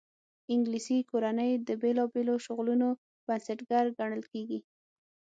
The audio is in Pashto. انګلیسي کورنۍ د بېلابېلو شغلونو بنسټګر ګڼل کېږي.